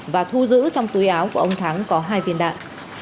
và thu giữ trong túi áo của ông thắng có hai viên đạn